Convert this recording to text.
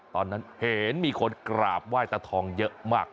ตอนนั้นเห็นมีคนกราบไหว้ตาทองเยอะมาก